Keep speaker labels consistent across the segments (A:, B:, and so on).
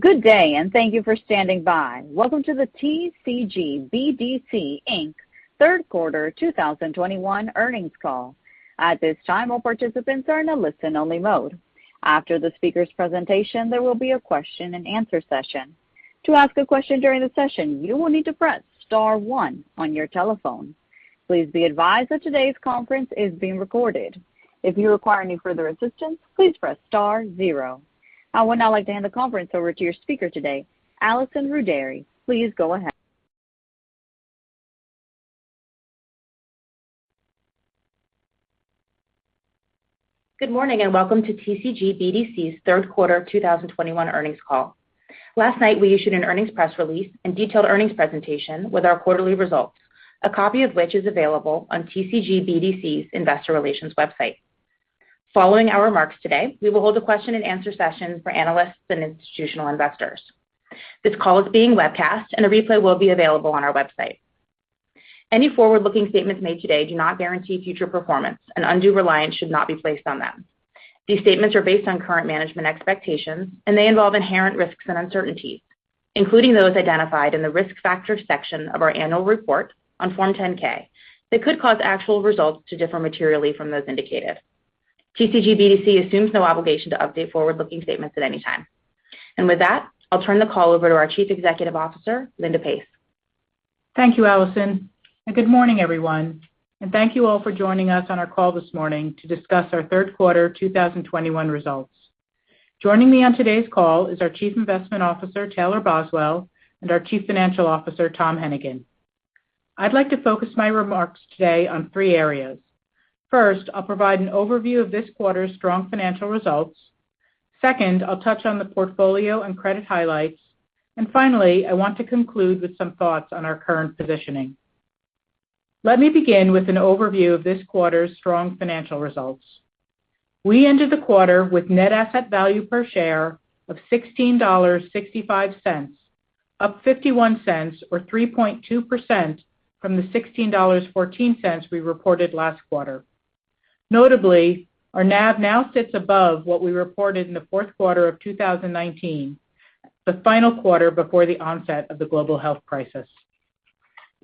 A: Good day, and thank you for standing by. Welcome to the TCG BDC, Inc. Q3 2021 Earnings Call. At this time, all participants are in a listen-only mode. After the speaker's presentation, there will be a question-and-answer session. To ask a question during the session, you will need to press star one on your telephone. Please be advised that today's conference is being recorded. If you require any further assistance, please press star zero. I would now like to hand the conference over to your speaker today, Allison Rudary. Please go ahead.
B: Good morning, and welcome to TCG BDC's Q3 2021 Earnings Call. Last night, we issued an earnings press release and detailed earnings presentation with our quarterly results, a copy of which is available on TCG BDC's Investor Relations website. Following our remarks today, we will hold a question-and-answer session for analysts and institutional investors. This call is being webcast, and a replay will be available on our website. Any forward-looking statements made today do not guarantee future performance, and undue reliance should not be placed on them. These statements are based on current management expectations, and they involve inherent risks and uncertainties, including those identified in the Risk Factors section of our annual report on Form 10-K, that could cause actual results to differ materially from those indicated. TCG BDC assumes no obligation to update forward-looking statements at any time. With that, I'll turn the call over to our Chief Executive Officer, Linda Pace.
C: Thank you, Allison. Good morning, everyone, and thank you all for joining us on our call this morning to discuss our Q3 2021 results. Joining me on today's call is our Chief Investment Officer, Taylor Boswell, and our Chief Financial Officer, Tom Hennigan. I'd like to focus my remarks today on three areas. First, I'll provide an overview of this quarter's strong financial results. Second, I'll touch on the portfolio and credit highlights. Finally, I want to conclude with some thoughts on our current positioning. Let me begin with an overview of this quarter's strong financial results. We ended the quarter with NAV per share of $16.65, up $0.51 or 3.2% from the $16.14 we reported last quarter. Notably, our NAV now sits above what we reported in the Q4 of 2019, the final quarter before the onset of the global health crisis.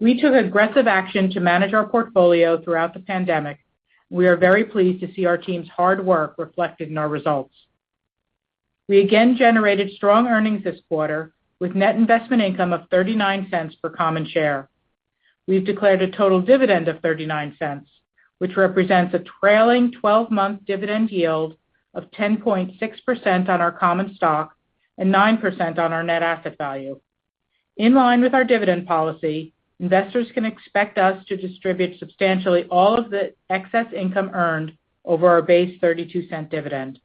C: We took aggressive action to manage our portfolio throughout the pandemic. We are very pleased to see our team's hard work reflected in our results. We again generated strong earnings this quarter with Net Investment Income of $0.39 per common share. We've declared a total dividend of $0.39, which represents a trailing 12-month dividend yield of 10.6% on our common stock and 9% on our Net Asset Value. In line with our dividend policy, investors can expect us to distribute substantially all of the excess income earned over our base $0.32 dividend.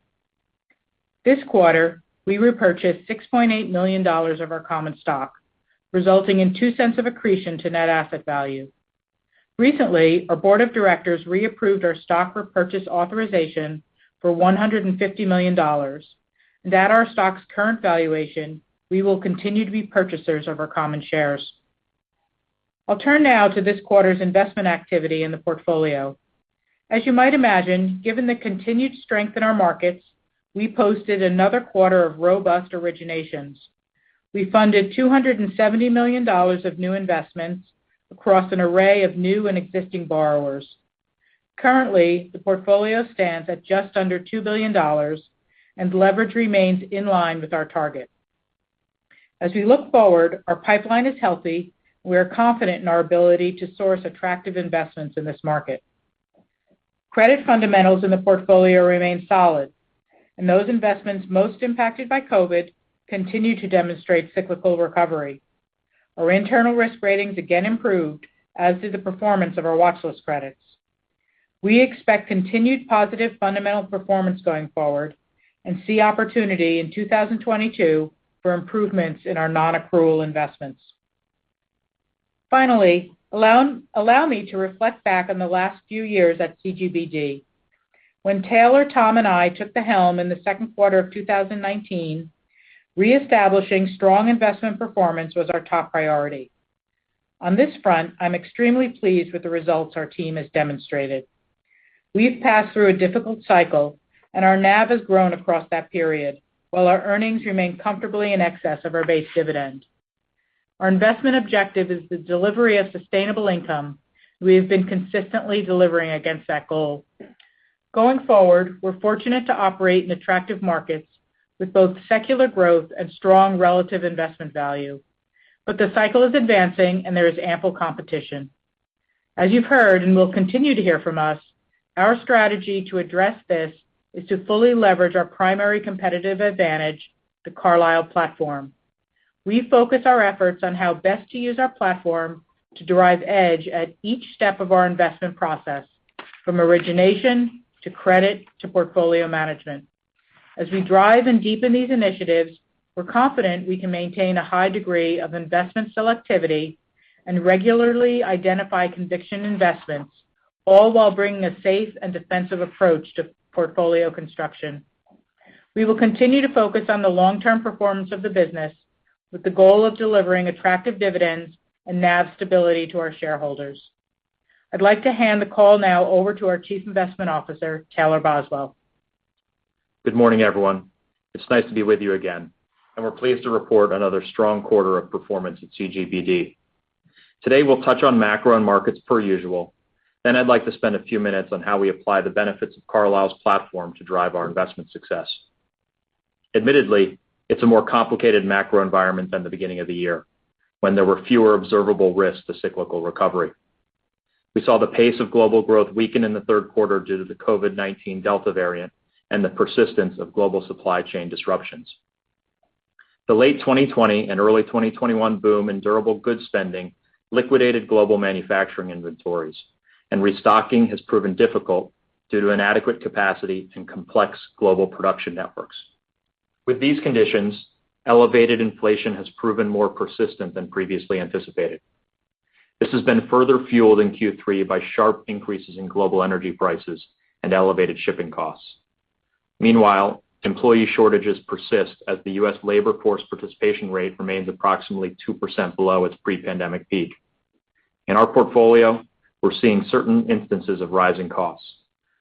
C: This quarter, we repurchased $6.8 million of our common stock, resulting in $0.02 of accretion to Net Asset Value. Recently, our Board of Directors reapproved our stock repurchase authorization for $150 million. At our stock's current valuation, we will continue to be purchasers of our common shares. I'll turn now to this quarter's investment activity in the portfolio. As you might imagine, given the continued strength in our markets, we posted another quarter of robust originations. We funded $270 million of new investments across an array of new and existing borrowers. Currently, the portfolio stands at just under $2 billion, and leverage remains in line with our target. As we look forward, our pipeline is healthy. We are confident in our ability to source attractive investments in this market. Credit fundamentals in the portfolio remain solid, and those investments most impacted by COVID continue to demonstrate cyclical recovery. Our internal risk ratings again improved as did the performance of our watchlist credits. We expect continued positive fundamental performance going forward and see opportunity in 2022 for improvements in our non-accrual investments. Finally, allow me to reflect back on the last few years at CGBD. When Taylor, Tom, and I took the helm in the Q2 of 2019, reestablishing strong investment performance was our top priority. On this front, I'm extremely pleased with the results our team has demonstrated. We've passed through a difficult cycle, and our NAV has grown across that period, while our earnings remain comfortably in excess of our base dividend. Our investment objective is the delivery of sustainable income. We have been consistently delivering against that goal. Going forward, we're fortunate to operate in attractive markets with both secular growth and strong relative investment value. The cycle is advancing, and there is ample competition. As you've heard and will continue to hear from us, our strategy to address this is to fully leverage our primary competitive advantage, the Carlyle platform. We focus our efforts on how best to use our platform to derive edge at each step of our investment process, from origination to credit to portfolio management. As we drive and deepen these initiatives, we're confident we can maintain a high degree of investment selectivity and regularly identify conviction investments, all while bringing a safe and defensive approach to portfolio construction. We will continue to focus on the long-term performance of the business with the goal of delivering attractive dividends and NAV stability to our shareholders. I'd like to hand the call now over to our Chief Investment Officer, Taylor Boswell.
D: Good morning, everyone. It's nice to be with you again, and we're pleased to report another strong quarter of performance at CGBD. Today, we'll touch on macro and markets per usual, then I'd like to spend a few minutes on how we apply the benefits of Carlyle's platform to drive our investment success. Admittedly, it's a more complicated macro environment than the beginning of the year, when there were fewer observable risks to cyclical recovery. We saw the pace of global growth weaken in the Q3 due to the COVID-19 Delta variant and the persistence of global supply chain disruptions. The late 2020 and early 2021 boom in durable goods spending liquidated global manufacturing inventories, and restocking has proven difficult due to inadequate capacity and complex global production networks. With these conditions, elevated inflation has proven more persistent than previously anticipated. This has been further fueled in Q3 by sharp increases in global energy prices and elevated shipping costs. Meanwhile, employee shortages persist as the U.S. labor force participation rate remains approximately 2% below its pre-pandemic peak. In our portfolio, we're seeing certain instances of rising costs.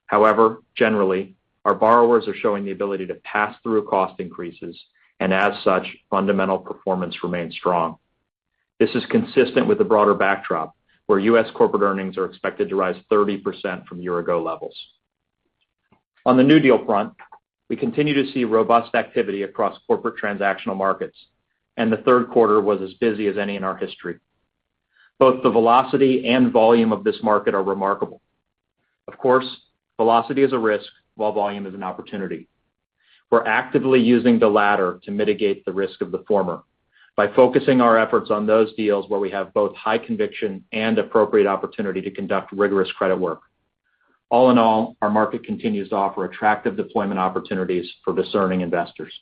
D: However, generally, our borrowers are showing the ability to pass through cost increases, and as such, fundamental performance remains strong. This is consistent with the broader backdrop, where U.S. corporate earnings are expected to rise 30% from year-ago levels. On the new deal front, we continue to see robust activity across corporate transactional markets, and the Q3 was as busy as any in our history. Both the velocity and volume of this market are remarkable. Of course, velocity is a risk while volume is an opportunity. We're actively using the latter to mitigate the risk of the former by focusing our efforts on those deals where we have both high conviction and appropriate opportunity to conduct rigorous credit work. All in all, our market continues to offer attractive deployment opportunities for discerning investors.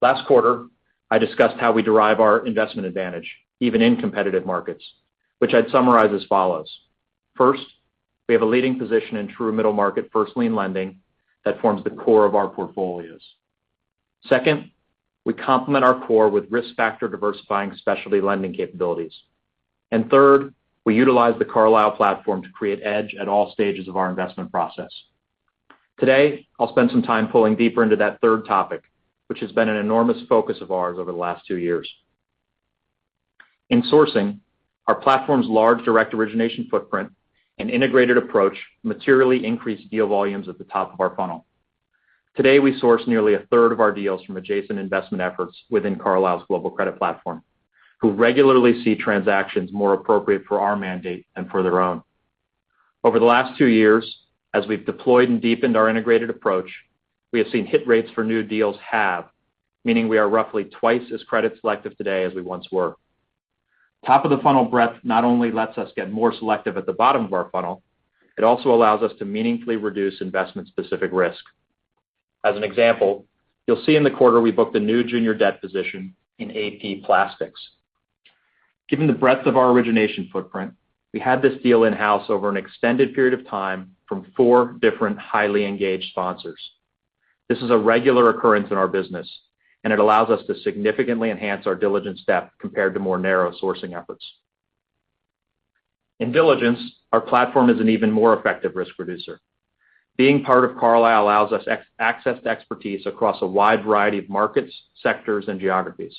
D: Last quarter, I discussed how we derive our investment advantage, even in competitive markets, which I'd summarize as follows. First, we have a leading position in true middle market first lien lending that forms the core of our portfolios. Second, we complement our core with risk factor diversifying specialty lending capabilities. Third, we utilize the Carlyle platform to create edge at all stages of our investment process. Today, I'll spend some time delving deeper into that third topic, which has been an enormous focus of ours over the last two years. In sourcing, our platform's large direct origination footprint and integrated approach materially increase deal volumes at the top of our funnel. Today, we source nearly a third of our deals from adjacent investment efforts within Carlyle's Global Credit Platform, who regularly see transactions more appropriate for our mandate than for their own. Over the last two years, as we've deployed and deepened our integrated approach, we have seen hit rates for new deals halve, meaning we are roughly twice as credit selective today as we once were. Top of the funnel breadth not only lets us get more selective at the bottom of our funnel, it also allows us to meaningfully reduce investment-specific risk. As an example, you'll see in the quarter we booked a new junior debt position in AP Plastics. Given the breadth of our origination footprint, we had this deal in-house over an extended period of time from four different highly engaged sponsors. This is a regular occurrence in our business, and it allows us to significantly enhance our diligence step compared to more narrow sourcing efforts. In diligence, our platform is an even more effective risk reducer. Being part of Carlyle allows us access to expertise across a wide variety of markets, sectors, and geographies,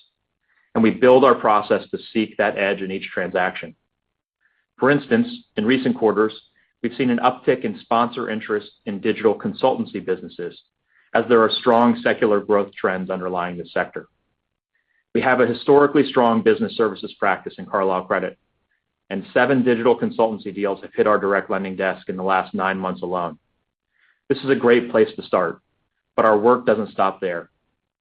D: and we build our process to seek that edge in each transaction. For instance, in recent quarters, we've seen an uptick in sponsor interest in digital consultancy businesses as there are strong secular growth trends underlying the sector. We have a historically strong business services practice in Carlyle Credit, and seven digital consultancy deals have hit our direct lending desk in the last nine months alone. This is a great place to start, but our work doesn't stop there.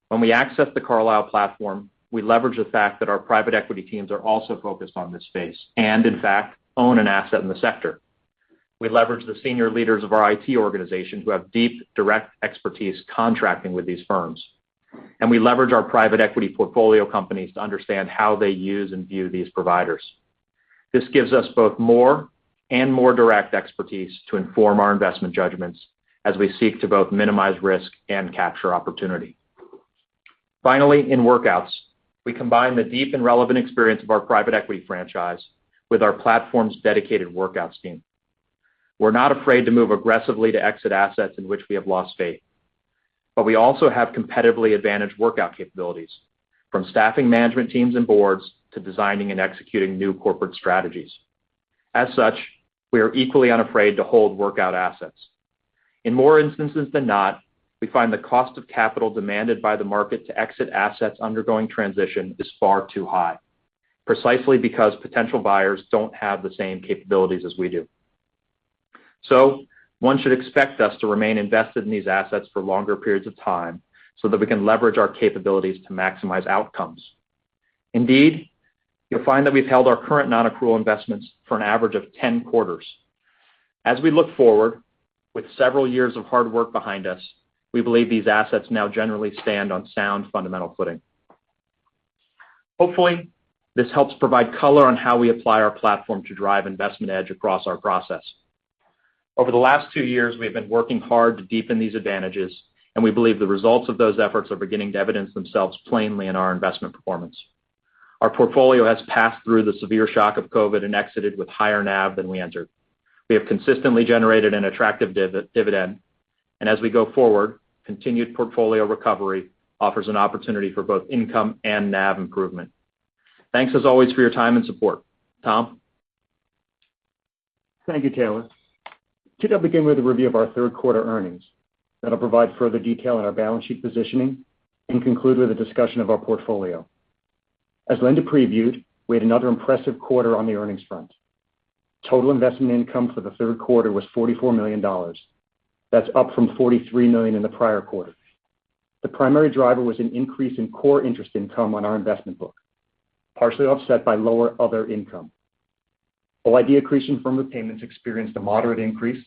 D: When we access the Carlyle platform, we leverage the fact that our private equity teams are also focused on this space, and in fact, own an asset in the sector. We leverage the senior leaders of our IT organization who have deep, direct expertise contracting with these firms. We leverage our private equity portfolio companies to understand how they use and view these providers. This gives us both more and more direct expertise to inform our investment judgments as we seek to both minimize risk and capture opportunity. Finally, in workouts, we combine the deep and relevant experience of our private equity franchise with our platform's dedicated workouts team. We're not afraid to move aggressively to exit assets in which we have lost faith. We also have competitively advantaged workout capabilities, from staffing management teams and boards to designing and executing new corporate strategies. As such, we are equally unafraid to hold workout assets. In more instances than not, we find the cost of capital demanded by the market to exit assets undergoing transition is far too high, precisely because potential buyers don't have the same capabilities as we do. One should expect us to remain invested in these assets for longer periods of time so that we can leverage our capabilities to maximize outcomes. Indeed, you'll find that we've held our current non-accrual investments for an average of 10 quarters. As we look forward, with several years of hard work behind us, we believe these assets now generally stand on sound fundamental footing. Hopefully, this helps provide color on how we apply our platform to drive investment edge across our process. Over the last two years, we have been working hard to deepen these advantages, and we believe the results of those efforts are beginning to evidence themselves plainly in our investment performance. Our portfolio has passed through the severe shock of COVID and exited with higher NAV than we entered. We have consistently generated an attractive dividend. As we go forward, continued portfolio recovery offers an opportunity for both income and NAV improvement. Thanks as always for your time and support. Tom?
E: Thank you, Taylor. Today, I'll begin with a review of our Q3 Earnings that'll provide further detail on our balance sheet positioning and conclude with a discussion of our portfolio. As Linda previewed, we had another impressive quarter on the earnings front. Total investment income for the Q3 was $44 million. That's up from $43 million in the prior quarter. The primary driver was an increase in core interest income on our investment book, partially offset by lower other income. While OID accretion from repayments experienced a moderate increase,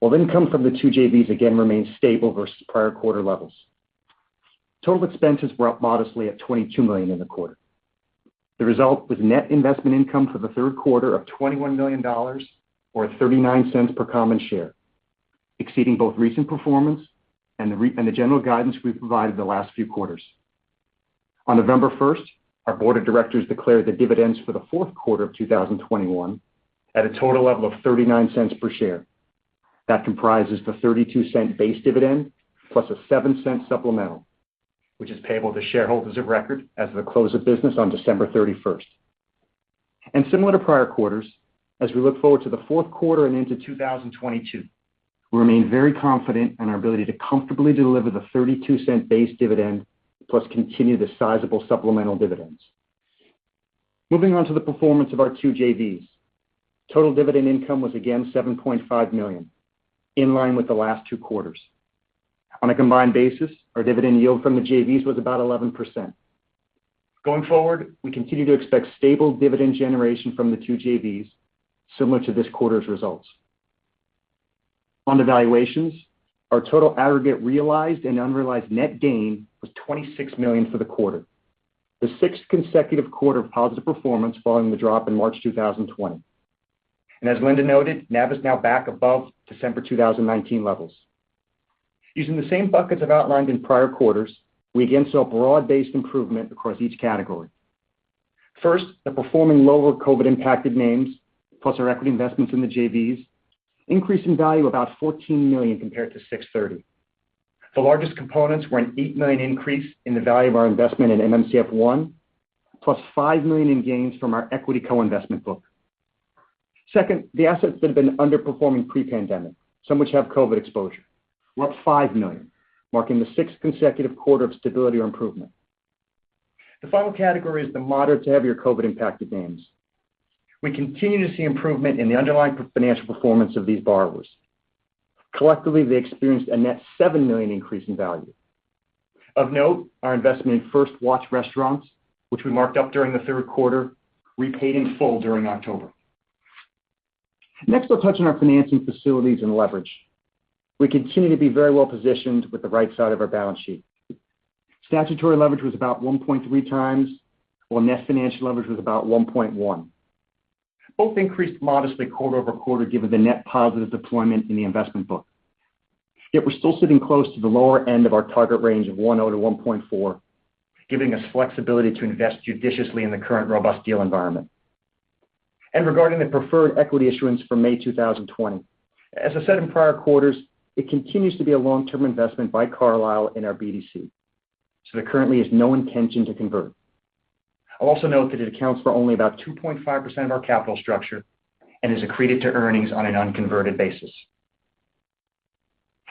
E: while the income from the two JVs again remained stable versus prior quarter levels. Total expenses were up modestly at $22 million in the quarter. The result was Net Investment Income for the Q3 of $21 million or $0.39 per common share, exceeding both recent performance and the general guidance we've provided the last few quarters. On November 1st, our Board of Directors declared the dividends for the Q4 of 2021 at a total level of $0.39 per share. That comprises the 32-cent base dividend plus a $0.07 Supplemental, which is payable to shareholders of record as of the close of business on December 31st. Similar to prior quarters, as we look forward to the Q4 and into 2022, we remain very confident in our ability to comfortably deliver the $0.32 Base dividend, plus continue the sizable supplemental dividends. Moving on to the performance of our two JVs. Total dividend income was again $7.5 million, in line with the last two quarters. On a combined basis, our dividend yield from the JVs was about 11%. Going forward, we continue to expect stable dividend generation from the two JVs similar to this quarter's results. On the valuations, our total aggregate realized and unrealized net gain was $26 million for the quarter. The sixth consecutive quarter of positive performance following the drop in March 2020. As Linda noted, NAV is now back above December 2019 levels. Using the same buckets I've outlined in prior quarters, we again saw broad-based improvement across each category. First, the performing lower COVID-19-impacted names, plus our equity investments in the JVs increased in value about $14 million compared to June 30. The largest components were an $8 million increase in the value of our investment in MMCF 1, plus $5 million in gains from our equity co-investment book. Second, the assets that have been underperforming pre-pandemic, some which have COVID exposure, were up $5 million, marking the sixth consecutive quarter of stability or improvement. The final category is the moderate to heavier COVID-impacted names. We continue to see improvement in the underlying financial performance of these borrowers. Collectively, they experienced a net $7 million increase in value. Of note, our investment in First Watch Restaurants, which we marked up during the Q3, repaid in full during October. Next, we'll touch on our financing facilities and leverage. We continue to be very well positioned with the right side of our balance sheet. Statutory leverage was about 1.3 times, while net financial leverage was about 1.1. Both increased modestly quarter over quarter given the net positive deployment in the investment book. Yet we're still sitting close to the lower end of our target range of 1.0-1.4, giving us flexibility to invest judiciously in the current robust deal environment. Regarding the preferred equity issuance from May 2020, as I said in prior quarters, it continues to be a long-term investment by Carlyle and our BDC, so there currently is no intention to convert. I'll also note that it accounts for only about 2.5% of our capital structure and is accreted to earnings on an unconverted basis.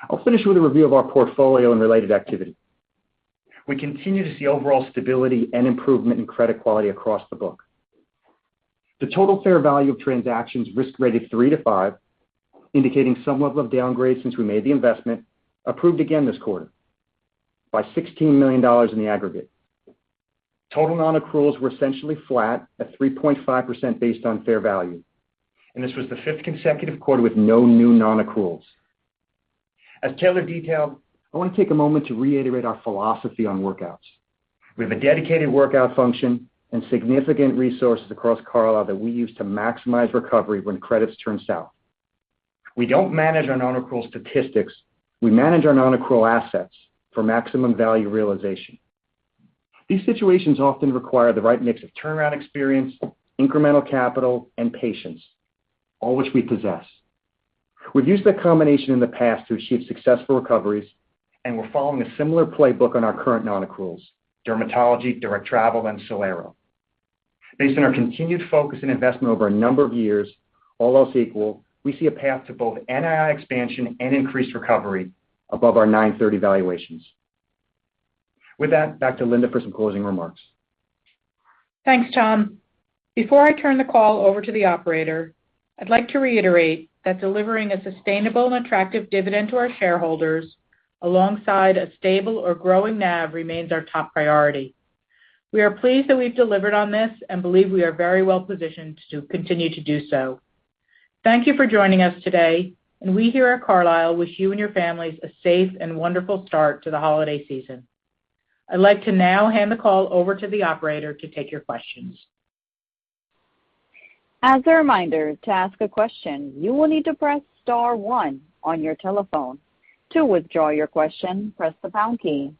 E: I'll finish with a review of our portfolio and related activity. We continue to see overall stability and improvement in credit quality across the book. The total fair value of transactions risk rated three to five, indicating some level of downgrade since we made the investment, devalued again this quarter by $16 million in the aggregate. Total non-accruals were essentially flat at 3.5% based on fair value, and this was the fifth consecutive quarter with no new non-accruals. As Taylor detailed, I want to take a moment to reiterate our philosophy on workouts. We have a dedicated workout function and significant resources across Carlyle that we use to maximize recovery when credits turn south. We don't manage our non-accrual statistics. We manage our non-accrual assets for maximum value realization. These situations often require the right mix of turnaround experience, incremental capital, and patience, all which we possess. We've used that combination in the past to achieve successful recoveries, and we're following a similar playbook on our current non-accruals, Derm, Direct Travel, and SolAero. Based on our continued focus and investment over a number of years, all else equal, we see a path to both NII expansion and increased recovery above our 9/30 valuations. With that, back to Linda for some closing remarks.
C: Thanks, Tom. Before I turn the call over to the operator, I'd like to reiterate that delivering a sustainable and attractive dividend to our shareholders alongside a stable or growing NAV remains our top priority. We are pleased that we've delivered on this and believe we are very well positioned to continue to do so. Thank you for joining us today, and we here at Carlyle wish you and your families a safe and wonderful start to the holiday season. I'd like to now hand the call over to the operator to take your questions.
A: As a reminder, to ask a question, you will need to press star one on your telephone. To withdraw your question, press the pound key.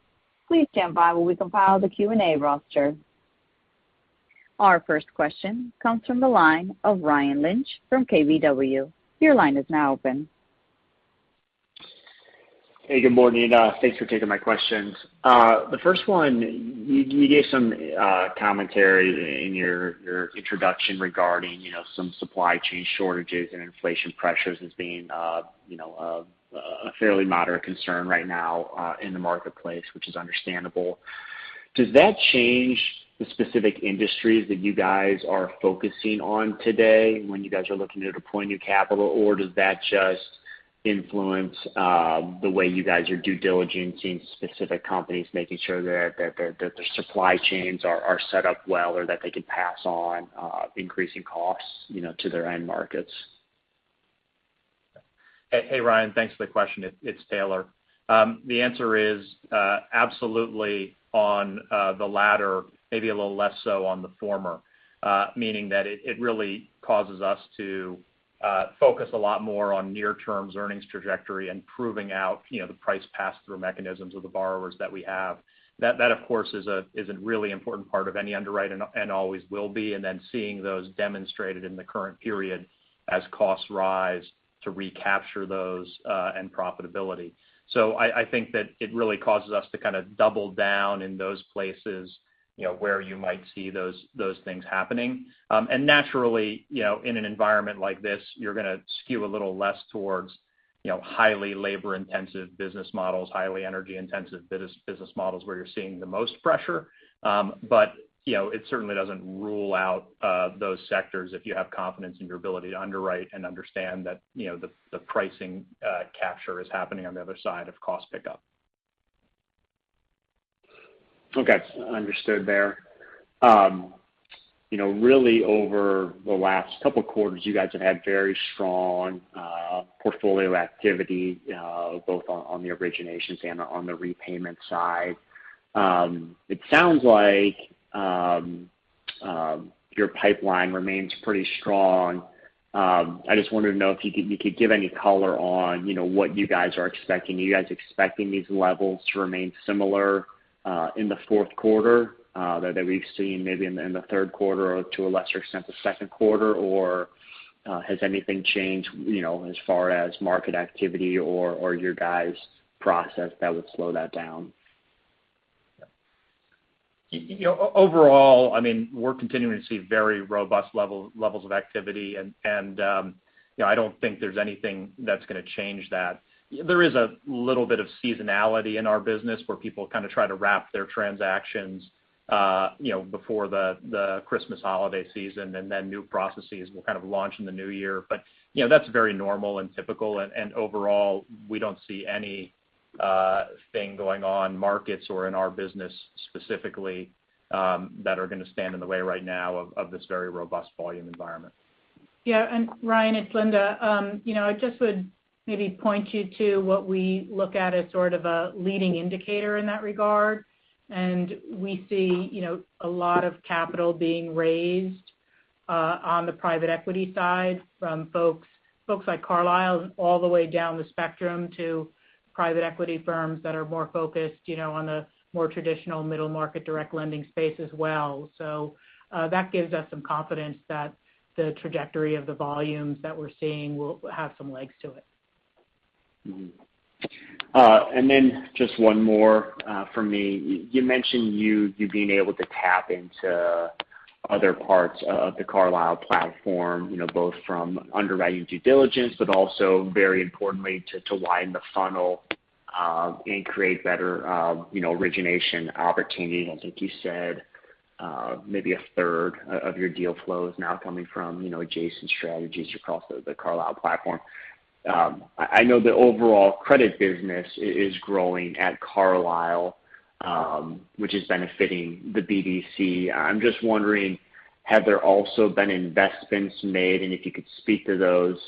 A: Please stand by while we compile the Q&A roster. Our first question comes from the line of Ryan Lynch from KBW. Your line is now open.
F: Hey, good morning. Thanks for taking my questions. The first one, you gave some commentary in your introduction regarding, you know, some supply chain shortages and inflation pressures as being, you know, a fairly moderate concern right now in the marketplace, which is understandable. Does that change the specific industries that you guys are focusing on today when you guys are looking to deploy new capital? Or does that just influence the way you guys are due diligence-ing specific companies, making sure that their supply chains are set up well or that they can pass on increasing costs, you know, to their end markets?
D: Hey, Ryan, thanks for the question. It's Taylor. The answer is absolutely on the latter, maybe a little less so on the former. Meaning that it really causes us to focus a lot more on near-term's earnings trajectory and proving out, you know, the price pass-through mechanisms of the borrowers that we have. That of course is a really important part of any underwrite and always will be, and then seeing those demonstrated in the current period as costs rise to recapture those and profitability. I think that it really causes us to kind of double down in those places, you know, where you might see those things happening. Naturally, you know, in an environment like this, you're gonna skew a little less towards, you know, highly labor-intensive business models, highly energy-intensive business models where you're seeing the most pressure. You know, it certainly doesn't rule out those sectors if you have confidence in your ability to underwrite and understand that, you know, the pricing capture is happening on the other side of cost pickup.
F: Okay. Understood there. You know, really over the last couple quarters, you guys have had very strong portfolio activity, both on the originations and on the repayment side. It sounds like your pipeline remains pretty strong. I just wanted to know if you could give any color on, you know, what you guys are expecting. Are you guys expecting these levels to remain similar in the Q4 that we've seen maybe in the Q3 or to a lesser extent, the Q2? Or has anything changed, you know, as far as market activity or your guys' process that would slow that down?
D: You know, overall, I mean, we're continuing to see very robust levels of activity and, you know, I don't think there's anything that's gonna change that. There is a little bit of seasonality in our business, where people kind of try to wrap their transactions, you know, before the Christmas holiday season and then new processes will kind of launch in the new year. You know, that's very normal and typical. Overall, we don't see anything going on in markets or in our business specifically, that are gonna stand in the way right now of this very robust volume environment.
C: Yeah, Ryan, it's Linda. You know, I just would maybe point you to what we look at as sort of a leading indicator in that regard. We see, you know, a lot of capital being raised on the private equity side from folks like Carlyle all the way down the spectrum to private equity firms that are more focused, you know, on the more traditional middle market direct lending space as well. That gives us some confidence that the trajectory of the volumes that we're seeing will have some legs to it.
F: Just one more from me. You mentioned you being able to tap into other parts of the Carlyle platform, you know, both from underwriting due diligence, but also very importantly to widen the funnel and create better, you know, origination opportunities. I think you said maybe a third of your deal flow is now coming from, you know, adjacent strategies across the Carlyle platform. I know the overall credit business is growing at Carlyle, which is benefiting the BDC. I'm just wondering, have there also been investments made, and if you could speak to those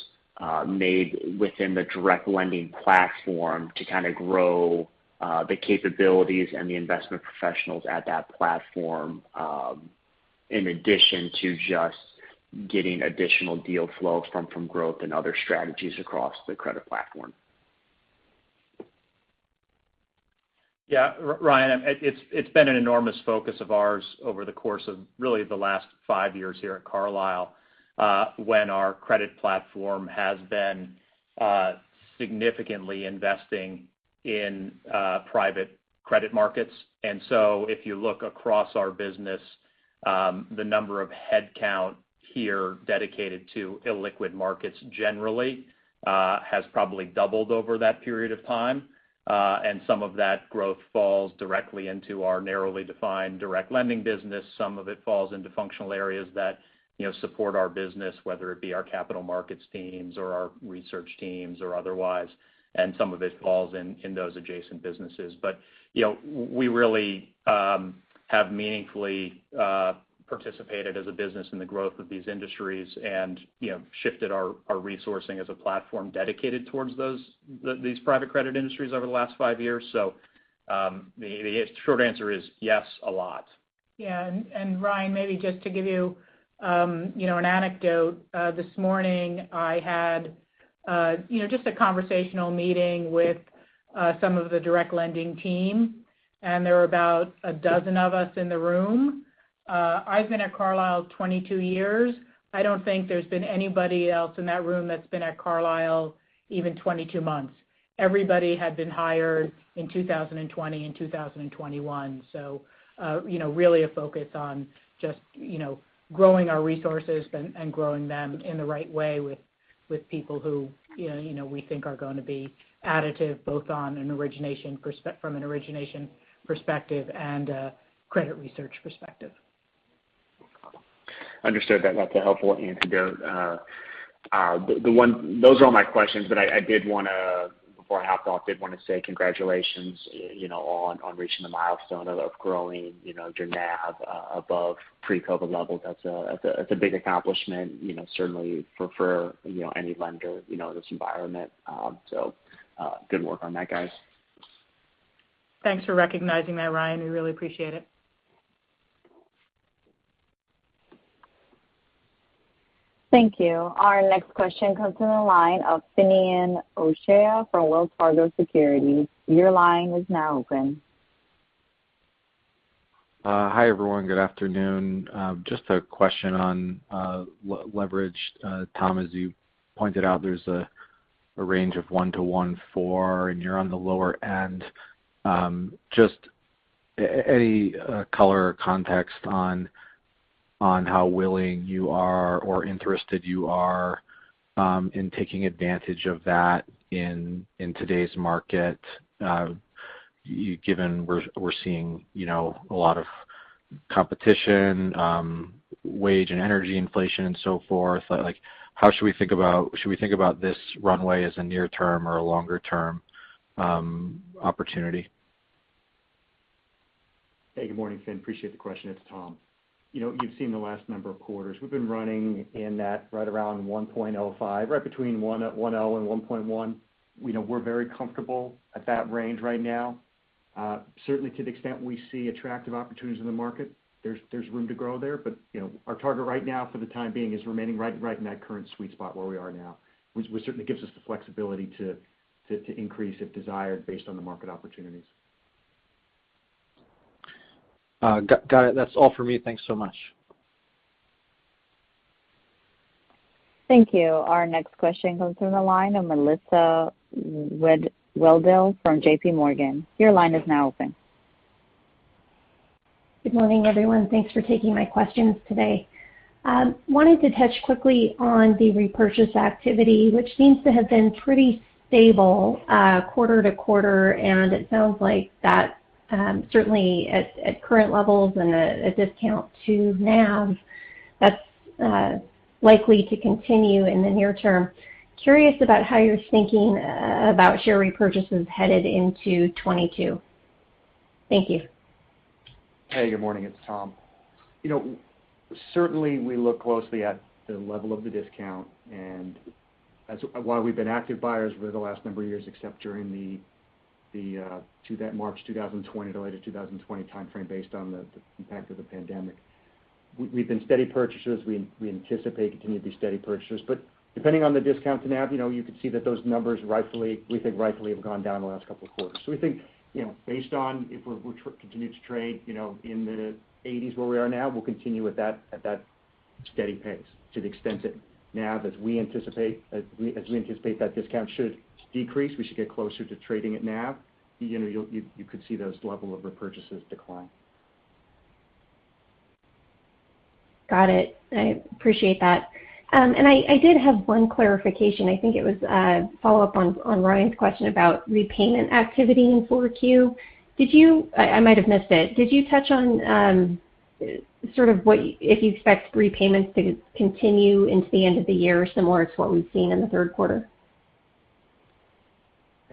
F: made within the direct lending platform to kind of grow the capabilities and the investment professionals at that platform, in addition to just getting additional deal flow from growth and other strategies across the credit platform?
D: Yeah, Ryan, it's been an enormous focus of ours over the course of really the last five years here at Carlyle, when our credit platform has been significantly investing in private credit markets. If you look across our business, the number of headcount here dedicated to illiquid markets generally has probably doubled over that period of time. Some of that growth falls directly into our narrowly defined direct lending business. Some of it falls into functional areas that, you know, support our business, whether it be our capital markets teams or our research teams or otherwise, and some of it falls in those adjacent businesses. You know, we really have meaningfully participated as a business in the growth of these industries and, you know, shifted our resourcing as a platform dedicated towards those, these private credit industries over the last five years. The short answer is yes, a lot.
C: Yeah. Ryan, maybe just to give you know, an anecdote, this morning, I had You know, just a conversational meeting with some of the direct lending team, and there were about a dozen of us in the room. I've been at Carlyle 22 years. I don't think there's been anybody else in that room that's been at Carlyle even 22 months. Everybody had been hired in 2020 and 2021. You know, really a focus on just you know, growing our resources and growing them in the right way with people who you know, we think are gonna be additive, both from an origination perspective and a credit research perspective.
F: Understood. That's a helpful anecdote. Those are all my questions, but I did wanna, before I hop off, say congratulations, you know, on reaching the milestone of growing, you know, your NAV above pre-COVID levels. That's a big accomplishment, you know, certainly for any lender, you know, in this environment. Good work on that, guys.
C: Thanks for recognizing that, Ryan. We really appreciate it.
A: Thank you. Our next question comes from the line of Finian O'Shea from Wells Fargo Securities. Your line is now open.
G: Hi, everyone. Good afternoon. Just a question on leverage. Tom, as you pointed out, there's a range of 1-1.4, and you're on the lower end. Just any color or context on how willing you are or interested you are in taking advantage of that in today's market, given we're seeing, you know, a lot of competition, wage and energy inflation and so forth. Like, how should we think about this runway as a near-term or a longer-term opportunity?
E: Hey, good morning, Fin. Appreciate the question. It's Tom. You know, you've seen the last number of quarters. We've been running in that right around 1.05, right between 1.0 and 1.1. You know, we're very comfortable at that range right now. Certainly to the extent we see attractive opportunities in the market, there's room to grow there. You know, our target right now for the time being is remaining right in that current sweet spot where we are now, which certainly gives us the flexibility to increase if desired based on the market opportunities.
G: Got it. That's all for me. Thanks so much.
A: Thank you. Our next question comes from the line of Melissa Wedel from JPMorgan. Your line is now open.
H: Good morning, everyone. Thanks for taking my questions today. Wanted to touch quickly on the repurchase activity, which seems to have been pretty stable quarter-to-quarter, and it sounds like that certainly at current levels and at a discount to NAV, that's likely to continue in the near term. Curious about how you're thinking about share repurchases headed into 2022. Thank you.
E: Hey, good morning. It's Tom. You know, certainly we look closely at the level of the discount, and that's why we've been active buyers over the last number of years, except during the that March 2020, July to 2020 timeframe based on the impact of the pandemic. We've been steady purchasers. We anticipate continuing to be steady purchasers. But depending on the discount to NAV, you know, you could see that those numbers rightfully, we think rightfully, have gone down in the last couple of quarters. We think, you know, based on if we continue to trade, you know, in the eighties where we are now, we'll continue with that at that steady pace to the extent that NAV, as we anticipate, that discount should decrease, we should get closer to trading at NAV. You know, you could see those levels of repurchases decline.
H: Got it. I appreciate that. I did have one clarification. I think it was a follow-up on Ryan's question about repayment activity in 4Q. I might have missed it. Did you touch on sort of what if you expect repayments to continue into the end of the year similar to what we've seen in the Q3?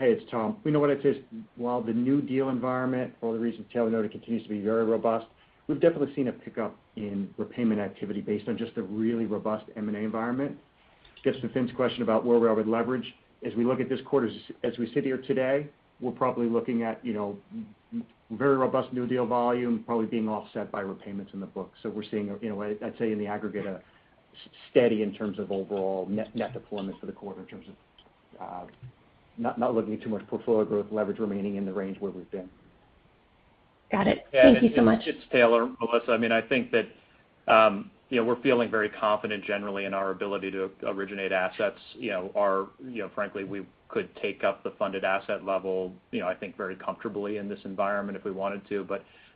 E: Hey, it's Tom. We know what it is. While the new deal environment, for all the reasons Taylor noted, continues to be very robust, we've definitely seen a pickup in repayment activity based on just the really robust M&A environment. Gets to Fin's question about where we are with leverage. As we look at this quarter, as we sit here today, we're probably looking at, you know, very robust new deal volume probably being offset by repayments in the books. We're seeing, you know, I'd say in the aggregate, a steady in terms of overall net deployment for the quarter in terms of not looking at too much portfolio growth leverage remaining in the range where we've been.
H: Got it. Thank you so much.
D: Yeah. It's Taylor, Melissa. I mean, I think that you know, we're feeling very confident generally in our ability to originate assets. You know, frankly, we could take up the funded asset level, you know, I think very comfortably in this environment if we wanted to.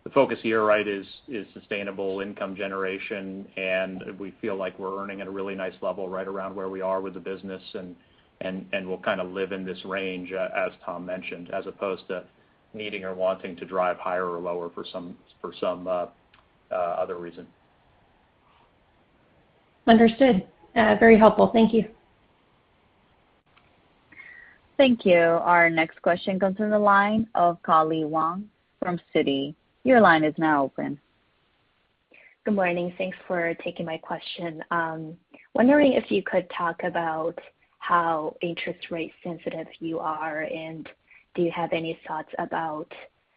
D: The focus here, right, is sustainable income generation, and we feel like we're earning at a really nice level right around where we are with the business, and we'll kind of live in this range, as Tom mentioned, as opposed to needing or wanting to drive higher or lower for some other reason.
H: Understood. Very helpful. Thank you.
A: Thank you. Our next question comes from the line of Kaili Wang from Citi. Your line is now open.
I: Good morning. Thanks for taking my question. Wondering if you could talk about how interest rate sensitive you are, and do you have any thoughts about,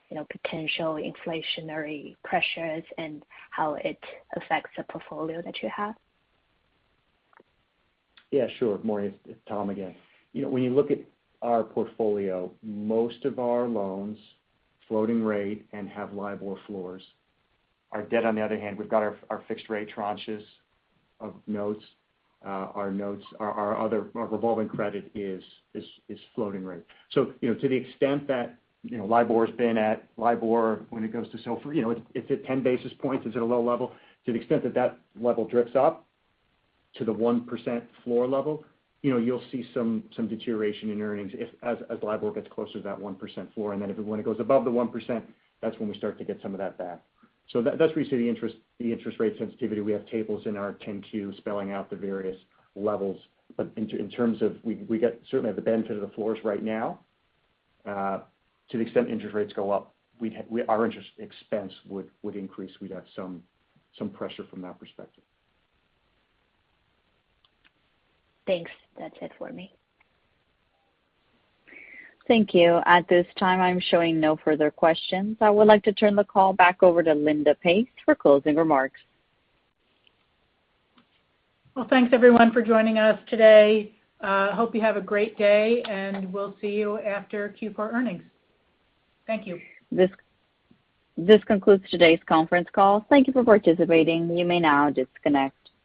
I: you know, potential inflationary pressures and how it affects the portfolio that you have?
E: Yeah, sure. Morning. It's Tom again. You know, when you look at our portfolio, most of our loans are floating rate and have LIBOR floors. Our debt on the other hand. We've got our fixed rate tranches of notes. Our notes, our other, our revolving credit is floating rate. So, you know, to the extent that, you know, LIBOR has been low when it comes to SOFR, you know, it's at 10 basis points, it's at a low level. To the extent that that level creeps up to the 1% floor level, you know, you'll see some deterioration in earnings if, as LIBOR gets closer to that 1% floor. When it goes above the 1%, that's when we start to get some of that back. That's where you see the interest rate sensitivity. We have tables in our 10-Q spelling out the various levels. In terms of, we certainly have the benefit of the floors right now. To the extent interest rates go up, our interest expense would increase. We'd have some pressure from that perspective.
I: Thanks. That's it for me.
A: Thank you. At this time, I'm showing no further questions. I would like to turn the call back over to Linda Pace for closing remarks.
C: Well, thanks everyone for joining us today. Hope you have a great day, and we'll see you after Q4 earnings. Thank you.
A: This concludes today's conference call. Thank you for participating. You may now disconnect.